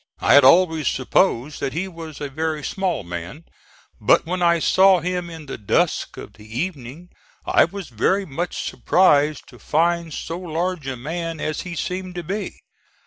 I had always supposed that he was a very small man, but when I saw him in the dusk of the evening I was very much surprised to find so large a man as he seemed to be.